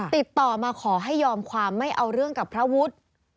ติดต่อมาขอให้ยอมความไม่เอาเรื่องกับพระวุฒิ